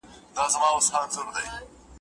اسمان یې په سر کېوت، خو ستومان نه شو دا غر